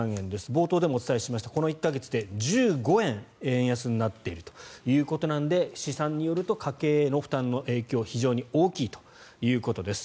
冒頭でもお伝えしましたがこの１か月で１５円、円安になっているということなので試算によると家計への負担の影響が非常に大きいということです。